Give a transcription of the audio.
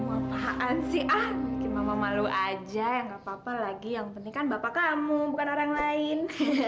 apaan sih ah mama malu aja nggak papa lagi yang penting kan bapak kamu bukan orang lain